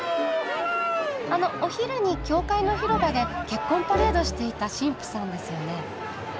あのお昼に教会の広場で結婚パレードしていた新婦さんですよね？